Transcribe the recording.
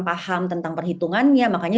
paham tentang perhitungannya makanya